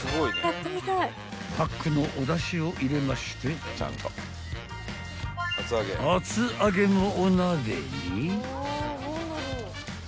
［パックのおだしを入れまして厚揚げもお鍋に］